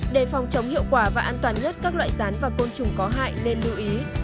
để phòng chống hiệu quả và an toàn nhất các loại rán và côn trùng có hại nên lưu ý